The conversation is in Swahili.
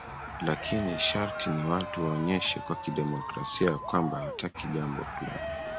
lakini sharti ni watu waonyeshe kwa kidemokrasia ya kwamba hawataki jambo fulani